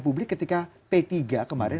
publik ketika p tiga kemarin